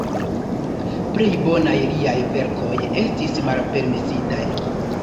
Plej bonaj liaj verkoj estis malpermesitaj.